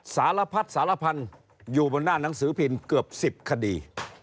สารพัดสารพันธุ์อยู่บนหน้าหนังสือพิมพ์เกือบ๑๐คดี